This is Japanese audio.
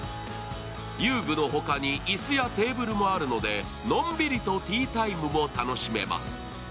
遊具の他に椅子やテーブルもあるのでのんびりとティータイムも楽しめます。